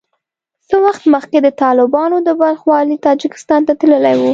څه وخت مخکې د طالبانو د بلخ والي تاجکستان ته تللی وو